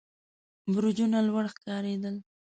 برجونه لوړ ښکارېدل.